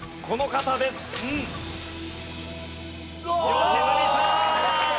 良純さん！